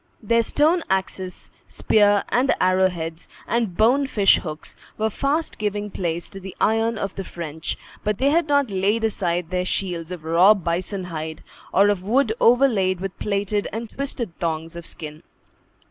Their stone axes, spear and arrow heads, and bone fish hooks, were fast giving place to the iron of the French; but they had not laid aside their shields of raw bison hide, or of wood overlaid with plaited and twisted thongs of skin.